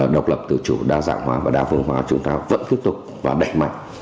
độc lập tự chủ đa dạng hóa và đa phương hóa chúng ta vẫn tiếp tục và đẩy mạnh